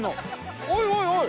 おいおいおい！